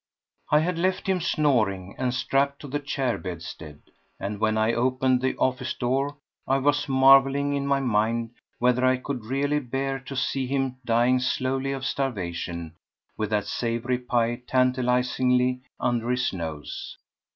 I had left him snoring and strapped to the chair bedstead, and when I opened the office door I was marvelling in my mind whether I could really bear to see him dying slowly of starvation with that savoury pie tantalizingly under his nose.